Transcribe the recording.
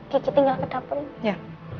gigi tinggal ke dapurnya